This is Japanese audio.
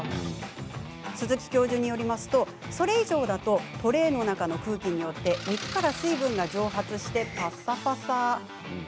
鈴木教授によりますとそれ以上だとトレーの中の空気によって肉から水分が蒸発してパサパサに。